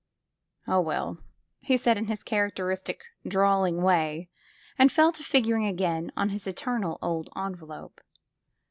0h, well," he said in his characteristic, drawling way and fell to figuring again on his eternal old en velope.